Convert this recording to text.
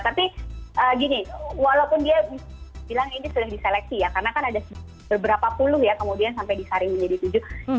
tapi gini walaupun dia bilang ini sudah diseleksi ya karena kan ada beberapa puluh ya kemudian sampai disaring menjadi tujuh